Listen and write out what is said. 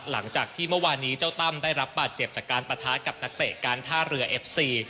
หลังจากที่เมื่อวานนี้เจ้าตั้มได้รับบาดเจ็บจากการปะทะกับนักเตะการท่าเรือเอฟซี